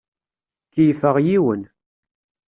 Keyyfeɣ yiwen.